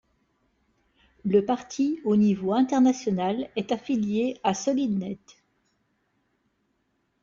Le parti au niveau international est affilié a Solidnet.